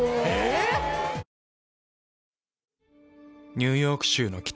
ニューヨーク州の北。